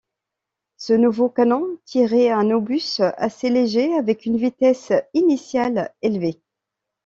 Ce nouveau canon tirait un obus assez léger avec une vitesse initiale élevée.